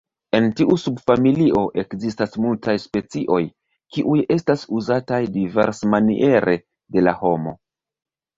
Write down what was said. En tiu subfamilio ekzistas multaj specioj, kiuj estas uzataj diversmaniere de la homo.